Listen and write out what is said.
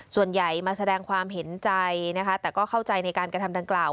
ส่วนใหญ่มาแสดงความเห็นใจนะคะแต่ก็เข้าใจในการกระทำดังกล่าว